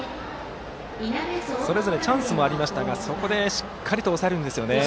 それぞれチャンスもありましたがそこでしっかりと抑えるんですね。